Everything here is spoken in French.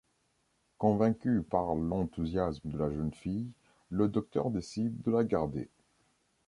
Convaincu par l'enthousiasme de la jeune fille, le Docteur décide de la garder.